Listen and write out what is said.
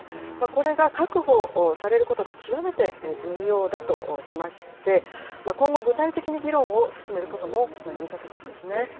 これが確保されることが極めて重要だとしまして、今後、具体的に議論を進めることも呼びかけたんですね。